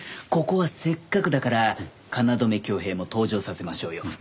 ここはせっかくだから京匡平も登場させましょうよ。